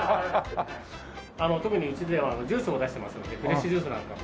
特にうちではジュースを出していますのでフレッシュジュースなんかも。